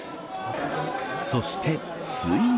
そして、ついに。